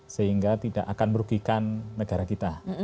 sehingga tidak akan merugikan negara kita